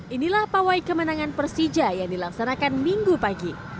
inilah pawai kemenangan persija yang dilaksanakan minggu pagi